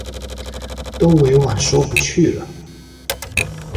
都委婉說不去了